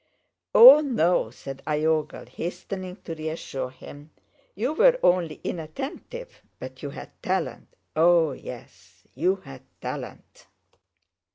"Oh no!" said Iogel, hastening to reassure him. "You were only inattentive, but you had talent—oh yes, you had talent!"